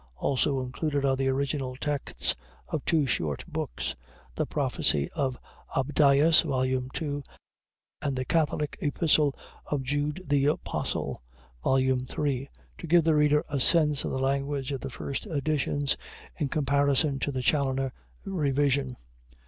Also included are the original texts of two short books, 'The Prophecie of Abdias' (Vol. II) and 'The Catholike Epistle of Iude the Apostle' (Vol. III), to give the reader a sense of the language of the first editions in comparison to the Challoner revision.